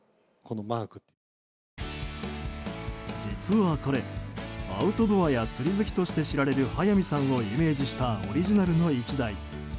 実はこれ、アウトドアや釣り好きとして知られる速水さんをイメージしたオリジナルの１台。